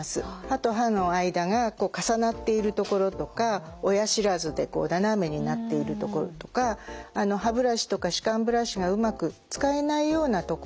歯と歯の間が重なっている所とか親知らずで斜めになっている所とか歯ブラシとか歯間ブラシがうまく使えないような所に。